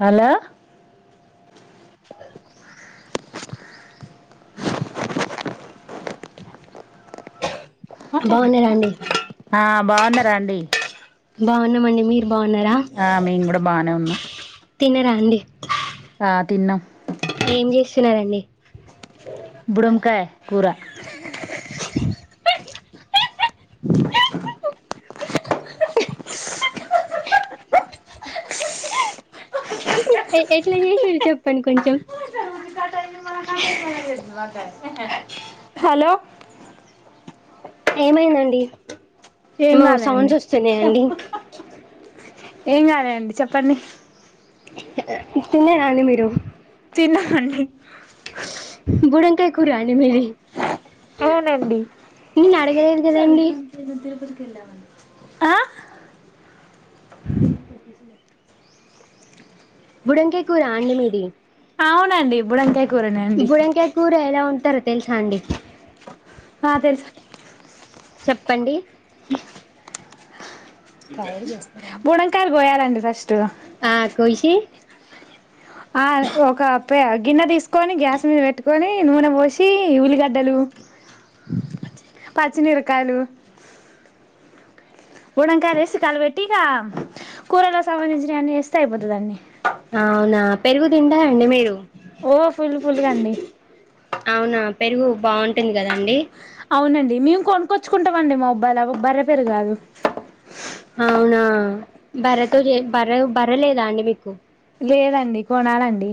hello బాగునరండి బాగునరండి బాగున్నాము అండి మీరు బాగున్నారా ఆ మిం కూడా బానే ఉన్నాం తినరాండి ఆ తిన్న ఏం చేస్తున్నారండి బుడంకాయ కూర అ ఎ ఎట్లా చేసిన్లు చెప్పండి కొంచెం హలో ఏమైందండి ఏం ఏమో కాలేండి సౌండ్స్ వస్తున్నాయా అండి ఏం కాలేదండి చెప్పండి తిన్నారా అండి మీరు అండి బుడంకాయ కూరా అండి మీది అవునండి నేను అడగలేదు కదండి ఆ బడంగే కూరా అండ మీేది అవునండి ఇప్పుడు అంతే బుడంకాయ కూర ఎలా ఉంట తరత చాండడి ఆ తెలుసా చెప్పండి యస్త మ ా పోయాలండి సశ ఆ కో క ఆ ఒక గిన్నె తీసుకొని గ్యాస్ మీద పెట్టుకొని నూనె పోసి ఉల్లిగడ్డలు పచ్చినిరకాయలు ఉండకాయలు వేసి కలపెట్టి ఇక కూరలో సంబంధించినవన్నీ వేస్తే అయిపోతుందంీ అవునా పెరుగు తండాా అండి మీరు ఓ ఫుల్ ఫుల్ కాడి అవునా పెరుగు బాగుంటుంది కదాండి అవునండి మేము కొనుక్కొచ్చుకుంటాం అండి మా అబ్బాలు బర పేరు కాదు అవునా బర్రతో బర బరలేదా అండి మీకు లేదండి కొనాలండి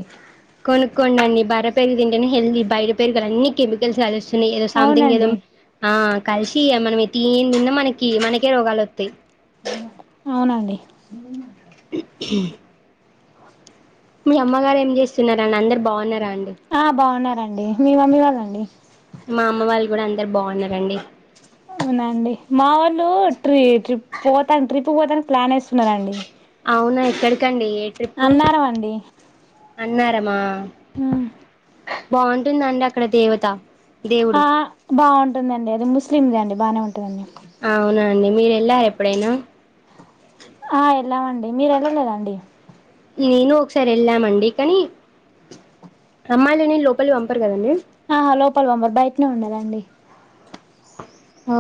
కొనుక్కోండి అడి బర్ర పెరిగి తంటేనే హెల్దీ బయట పెరుగా అన్ని కెమికల్స్ కాస్తుాయి ఏ సంథంగ్ ఏద అవునండి క య మనం యని తిన్న మనకి మనకే రోగాలు వస్తాయి అవునండి కంద అ మీ అమ్మగారు ఏం చేస్తున్నారు ని అందరు బాగున్నారా అండి ండి మీ మమ్మీ వాదండి మా అమ్మ వాళ్ళు కూడా అందరు బాగున్నారండి అవునండి మా వాళ్ళు ట ట్రిప్ పోతాను ట్రిప్ తూవదానికి ప్లాన్ వేస్తున్నా అండి అవునా ఎక్కడికండి ఏ ట్రిప్పు అన్నారం అన్నారమా ఆ బాగుంటుందండి అక్కడ దేవత దేవుడు ఆ బాగుంటుందండి అది ము క్రీమ్దం బాగానేంటందండి అవునా అండి మీరు వెళ్ళారు ఎప్పుడైనా ఆ వెళ్ళామండి మీరు వెళ్ళలేదండి నేను ఒకసారి వెళ్ళామండి కానీ అమ్మాయిలు నేను లోపలి పంపారు కదండి ఆహా లోపల్ బాంబర్ బయటనే ఉండాలండి ఆ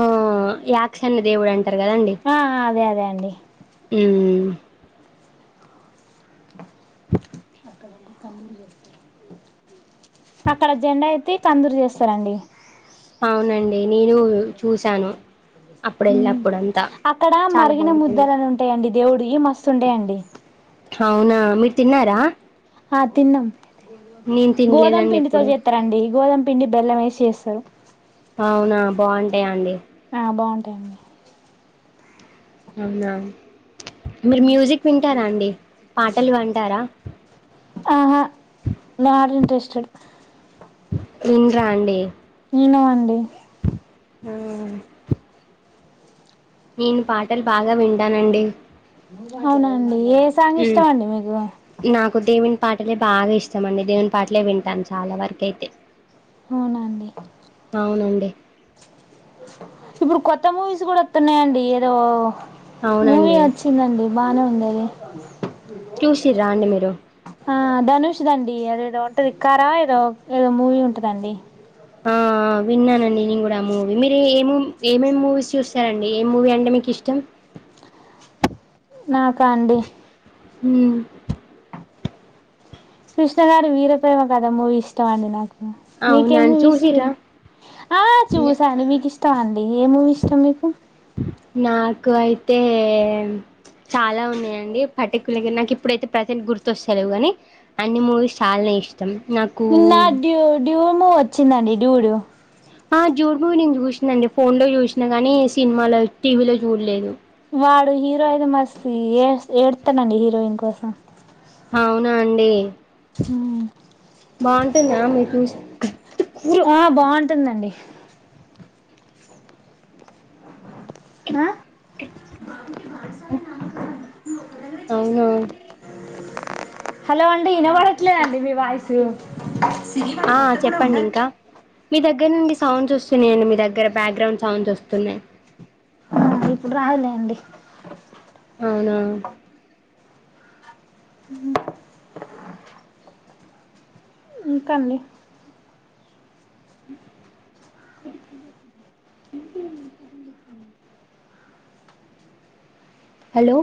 యాకక్షన్న దేవుడుంట ఆ అదే అదే అండి అ అక్కడ కండూడి వ అక్కడ జెండా అయితే కందూరు చేస్తారండి అవునండి నేను చూశాను అప్పుడు వెళ్ళప్పుడంతా అక్కడ చాలా మరిగిన బాగుంటుంది ముద్దని ఉంటాయండి దేవుడివి మస్తు ఉంటాయండి అవునా మీరు తిన్నారా ఆ తిన్నాం నేను గోధుమ తినలేదండి పిండితో ఎప్పుడు చేస్తారంండి గోధుమ పిండి బెల్లం వేసిస్తా స అవునా బాగుంటాయి అండి ఆ బాగుంటాయండి అవునా మీరు మ్యూజిక్ వింటారా అండి పాటలు వింటారా ఆహా మ ఇంటెస్ చె విన్్రా అండి ఈనవండి ఆ నేను పాటలు బాగా వింటానండి అవునండి ఏ సాంగ్ ఉమ్, ఇష్టమ అండి మీకు నాకు దేవుని పాటలే బాగా ఇష్టం అండి దేవుని పాటలే వింటాను చాలా వరకు అయితే అవునండి అవునండి ఇప్పుడు కొత్త మూవీస్ కూడా వస్తున్నాయంండి ఏదో మూవీ అవునండి వచ్చిందండి బానే ఉండేది చూసిర్రా అండి మీరు ఆ ధనుష్దండి అద ఏదో ఒకంటది కారా ఏదో ఏదో మూవీ ఉంటుదండి ఆ విన్నానండి నేను కూడా ఆ మూవీ మీరు ఏమూ ఏమేమి మూవీస్ చూస్తారంండి ఏం మూవీ అంటే మీకు ఇష్టం నాకాండి హామ్ కృష్ణ గారి వీరప్రేమ కథ మూవీ ఇష్టం అండి నాకు మీక అవునా ఏ మూవీ వ ఇష్ట చూసిరా ఆ చూసని మీకు ఇష్టటఅన్ ఏ మూవీ ఇష్టాం మీకు నాకు అయితే చాలా ఉన్నాయియండి పర్టికులర్ గా నాకు ఇప్పుడైతే ప్రజెంట్ గుర్తుొస్త లేవు కానీ అన్ని మూవీస్ చాలానే ఇష్టం నాకు నా డ్యూ డ్యూము వచ్చిందండి డ్యూడు ఆ డ్యూడ్ మూవీ నేను చూసినా అండి ఫోన్ లో చూసినా కానీ సినిమాలో టీవీలో చూడలేదు వాడు హీరో అయితే మస్తు ఏ ఏడతానండి హీరోయిన్ కోసం అవునా అండి బగుంట న మసి కూరు టూన్దండి ఆ అవునవు హలో అండి వినబడట్లేదండి మీ వాయసు ఉ ఆ చెప్పండి ఇంకా మీ దగ్గర నుండి సౌండ్స్ వస్తున్నాయండి మీ దగ్గర బ్యాక్గ్రౌండ్ సౌండ్స్ వస్తున్నా్ ఇప్పుడు రవాలే అండి అవునా హం ఇంకాఅండీ [unintelligible] హలో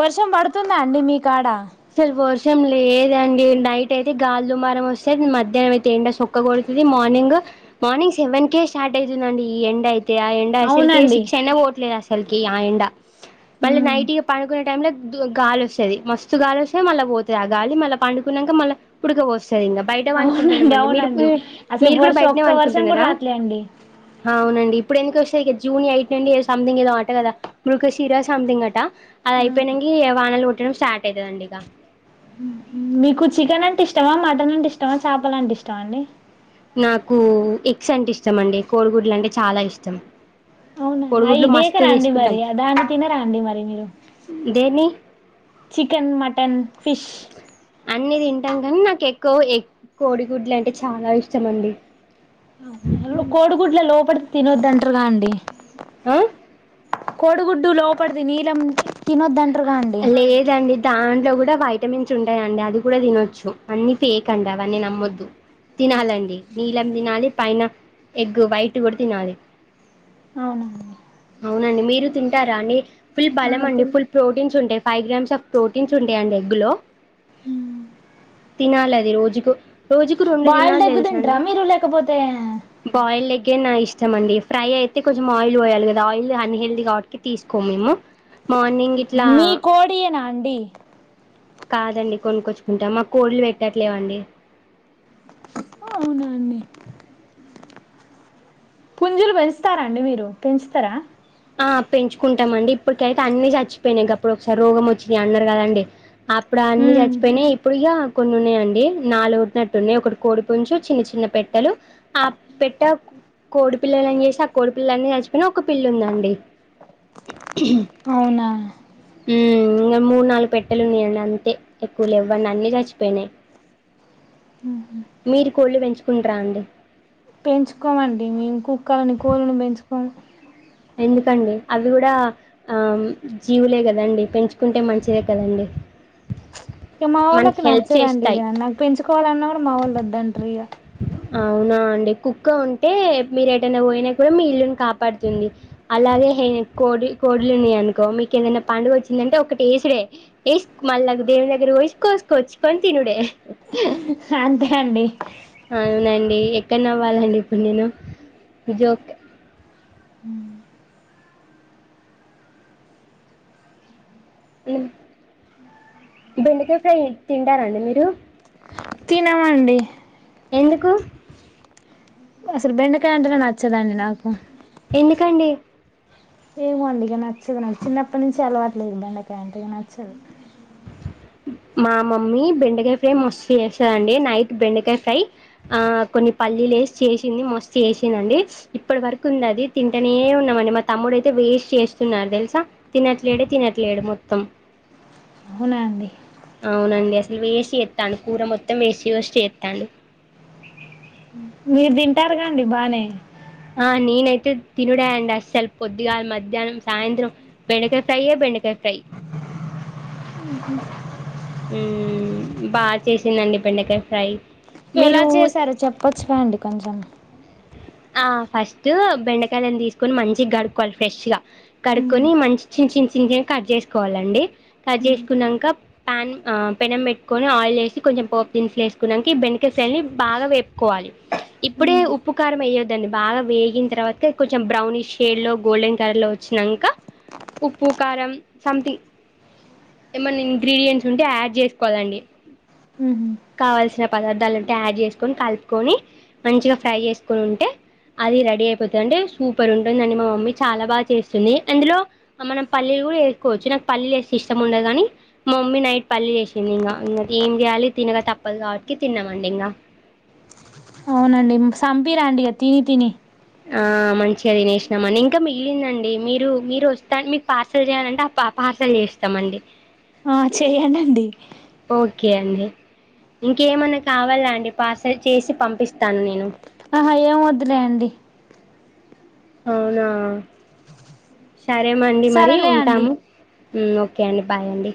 వర్షం పడుతుందా అండి మీ కాడ అసలు వర్షం లేదండి నైట్ అయితే గాల్ దుమారం వస్తే మధ్యాహ్నం అయితే ఎండ సోక్క కొడుతుంది మార్నింగ్ మార్నింగ్ సెవెన్ కేే స్టార్ట్ అవుతుందండి ఈ ఎండ అయితే ఎండా అసల్ క అవునండి శిక్షషణనే బఓట్లే చలికి ఆయండ మళ్ ఉమ్ నై పని కు టై గాలి వస్తుేది మస్తు మాసుస్తే మళ్ళా పోతే గాలి మళ్ళ పండుకున్నాక మళ్ళీ ఊడక వస్త సరే బయట అవునండి వనుకుంటున్నామ అండి మీరు అవునండి అసలు మీరు కూడా వర్షం బయటనే ఒక్క వర్షం కూడా వనుకుంటున్నారా రాట్లే అండి అవునండి ఇప్పుడు ఎందుకు వస్తాయి ఇ జూన్ ఎయిట్ నుండి సంథంగ్ ఏదో అంట కదా మృగ శీరా సంథింగ్ అట అది అయిపోయాక వానల్ట్ [unintelligible] ట్టేదండడిగా మీకు చికెన్ అంటే ఇష్టమా మటన్ అంటే ఇష్టమా చేపల అంటే ఇష్టండి నాకు ఎక్స్ అంటే మండి కోడ్లు అంటే చాలా ఇష్టం అవునా కోడిగుడ్లు ఇదేక మస్తు రండి తీసుకుంటాం మరి దాన్ని తిన రండి మరి మీరు దేన్ని చికెన్ మటన్ ఫిష్ అన్ని తింటాం కానీ నాకు ఎక్కువ ఎ కోడిగుడ్లు అంటే చాలా ఇష్టం అండి కోడు కూడ్లా లోపడుత తినొద్దంటారుగా అండి ఆ కొడుగుడ్డు లోపడిది నీల లేదండి దాంట్లో కూడా వైపు విటమిన్స్ ఉంటాయంండి అది కూడా తినొచ్చు అన్నిీ ఫేయకండి అవన్నీ నమ్మద్దు తినాలండి నీలం దనా పైన ఎగ్ బైట్ కూడా తినాలి అవునడి తింటా రాణి ఫుల్ బాలా మడి ఫుల్ ప్రోటీన్స్ ఉంటాయి ఫైవ్ గ్రామ్స్ ఆఫ్ ప్రోటీన్స్ ఉంటాయంండి ఎగ్గు లో తినాల అది రోజు జకు బయల్ దగ్గుతుంట్రా మీరు లేకపోతే ే ఇష్టంమండి ఫ్రై అయితే కొంచెం ఆయిల్ పోయాలి కదా ఆయిల్ అన్ని హెల్దీగాటి తీసుకో మేము మార్నింగ్ ఇ మీ కోడి నా అండి కాదండి కొనుక్కొచ్చుకుంటా మాకు కోళ్లు పెట్టట్లేవండి అవునాండి పంజులు పెంచుతారా అండి మీరు పెంచుతారా ఆ పెంచుకుంటామ అండి ఇప్పటికైతే అన్నిీ చచ్చిపోయినాయి అప్పుడు ఒకసారి రోగం వచ్చినాయి అన్నారు కదాండి అప్పుడు అన్నిీ ఉమ్ చచ్చిపోయినాయి ఇప్పుడు ఇక కొన్ని ఉన్నాయండి నాలుగునట్టున్నాయి ఒకటి కోడిపుంచు చిన్న చిన్న పెట్టలు ఆ పెట్ట కోడి పిల్లని చేసి ఆ కో పిల్లని నచిపో ఒక పల్ని అవునా ఇంకా మూడు నాలుగు పెట్టెలు న అంతే ఎక్కువ లే ఇవ్వండి అన్నిీ చచ్చిపోయినాయి మీరు కోల్ళ వెంచ కుంట్రాం పెంచుకోమండి మేము కుక్కలని కోరిని పెంచుకోము ఎందుకండి అవి కూడా ఆ జీవులే కదండి పెంచుకుంటే మంచిదే కదంీ ఇక మా వాళ్ళకి నచ్చదండి ఇక నాకు పెంచుకోవాలిన్నా కూడా మా వాళ్ళు వద్దంటారు ఇక అవునా అండి కుక్క ఉంటే మీరు ఏదైనా పోయినా కూడా మీ ఇల్లుని కాపాడుతుంది అలాగే కోడి కోడులుని అనుకో మీకు ఏదైనా పండుగ వచ్చిందంటే ఒకటి వేసుడే వేసు మళ్ళీ దేవుని దగ్గర పోసి కోసుకొచ్చుకొని తినుడే అంతే అండి అవునండి ఎక్కడన అవ్వాలండి ఇప్పుడు నేను ఇది ఓకే బెండకాయ ఫ్రై తింటారండి మీరు తినమండి ఎందుకు అసలు బెండకాయ అంటనే నచ్చదండి నాకు ఎందుకండి ఏమో అండిగ నచ్చదు నా చిన్నప్పటి నుంచి అలవాటు లేదు బండి అ ఇంటిగా నచ్చదు మా మమ్మీ బెండకాయ ఫ్రై మస్తు చేస్తందిండి నైట్ బెండకాయ ఫ్రై ఆ కొన్ని పల్లీలు వేసి చేసింది మస్తు చేసిందిండి ఇప్పటి వరకు ఉంది అది తింటనే ఉన్నామండి మా తమ్ముడు అయితే వేస్ట్ చేస్తున్నారు తెలుసా తినట్లేడ తినట్లేడు మొత్తం అవునా అండి అవునండి అసలు వేసి ఎత్తాను కూర మొత్తం వేసి వసి ఎస్తాడు మీరు తింటారు కండి బానే ఆ నేనైతే తినుడా అండి అస్సలు పద్దిగా మధ్యాహ్నం సాయంత్రం బెండకాయ ఫ్రైయే బెండకాయ ఫ్రై బాగా చేసిందండి బెండకాయ ఫ్రై ఎలా మీరు చేశారు చెప్పొచ్చు కాండి కొంచెం ఆ ఫస్ట్ బెండకాయాలని తీసుకొని మంచి కడుక్కవాలి ఫ్రెష్ గా కడుకొని మంచి చి చి చి చిన్న కట్ చేసుకోవాలండి కట్ చేసుకున్నాక ప్యాన్ పెనం పెట్టుకొని ఆయిల్ వేసి కొంచెం పోపు దినుసులు వేసుకున్నాక ఈ బెండకాయని బాగా వేపుకోవాలి ఇప్పుడే ఉప్పుకారం అయ్య బాగా వేగిన తర్వాత కొంచెం బ్రౌనిష్ షేడ్ లో గోల్డెన్ కలర్ లో వచ్చినాక ఉప్పు కారం సంథింగ్ ఏమైన్నా ఇంగ్రీడియంట్స్ ఉంటే యాడ్ చేసుకోవాలండి కావల్సిన పదార్థాలుంటే యాడ్ చేసుకొని కలుపుకొని మంచిగా ఫ్రై చేసుకొని ఉంటే అది రెడీ అయిపోతుంది అంటే సూపర్ ఉంటుంది అండి మా మమ్మీ చాలా బాగా చేస్తుంది అందులో మనం పల్లీలు కూడా వేసుకోవచ్చు నాకు పల్లీ వేస్తే ఇష్టం ఉండదు కాని మా మమ్మీ నైట్ పల్లీ చేసింది ఇంకా ఇం ఏం చేయాలి తినక తప్పదు కాబట్టి తిన్నామండి ఇంకా అవునండి సంపి రండిగా తిని తిని ఆ మంచిగా తినేసినామండి ఇంకా మిగిలిందండి మీరు మీరు వస్త మీకు పార్సల్ చేయాలంటే ఆ పార్సల్ చేస్తామండి ఆ చేయడిండి ఓకే అండి ఇంకేమన్నా కావాలా అండి పాస చేసి పంపిస్త ఆహా ఏం వదులే అండి అవునా సరేమ అండి మరి సరేలే అండి ఉంటాము ఓకే అండి బాయ్ అండి